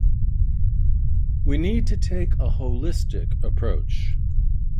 We need to take a holistic approach.